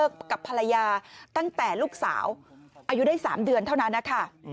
กับภรรยาตั้งแต่ลูกสาวอายุได้๓เดือนเท่านั้นนะคะ